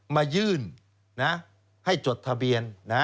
มายื่นให้จดทะเบียน